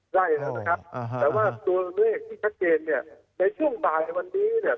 แต่ว่าตัวเลขที่ชัดเกณฑ์เนี่ยในช่วงบ่ายวันนี้เนี่ย